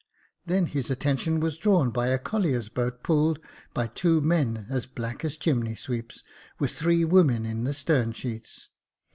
Then his attention was drawn by a collier's boat, pulled by two men as black as chimney sweeps, with three women in the stern sheets.